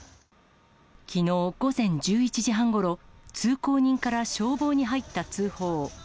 きのう午前１１時半ごろ、通行人から消防に入った通報。